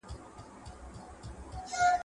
قصابان یې د لېوه له زامو ژغوري!